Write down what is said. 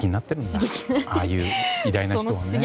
ああいう偉大な人は。